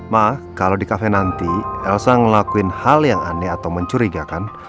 mah kalau di kafe nanti elsa ngelakuin hal yang aneh atau mencurigakan